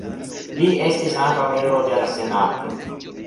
Li estis ankaŭ membro de la senato.